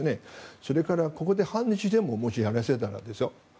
それから、ここで反日デモをもし、やらせたらですよ。